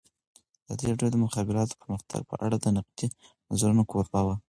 ازادي راډیو د د مخابراتو پرمختګ په اړه د نقدي نظرونو کوربه وه.